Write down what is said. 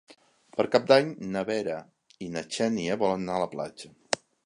Per Cap d'Any na Vera i na Xènia volen anar a la platja.